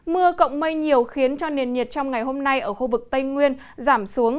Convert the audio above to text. mưa cộng mây nhiều khiến cho nền nhiệt trong ngày hôm nay ở khu vực tây nguyên giảm xuống